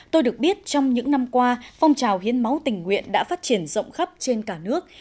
tôi được biết trong những năm qua phong trào hiến máu tình nguyện đã phát triển rộng khắp trên cả nước